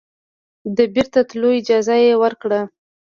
د بیرته تللو اجازه یې ورکړه.